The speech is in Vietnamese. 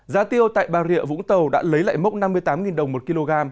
giá tiêu tại bà rịa vũng tàu đã lấy lại mốc năm mươi tám đồng một kg